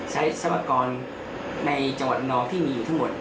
ใช้แซวะครอนในจังหวัดนรกที่มีอยู่ทั้งหมด